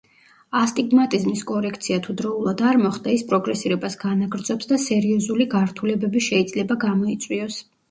ასტიგმატიზმის კორექცია თუ დროულად არ მოხდა, ის პროგრესირებას განაგრძობს და სერიოზული გართულებები შეიძლება გამოიწვიოს.